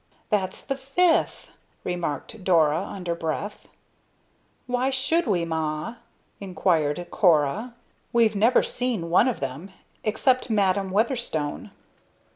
"That's the fifth!" remarked Dora, under breath. "Why should we, Ma?" inquired Cora. "We've never seen one of them except Madam Weatherstone!"